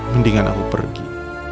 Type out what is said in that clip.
mendingan aku pergi